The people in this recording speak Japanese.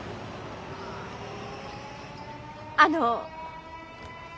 あの。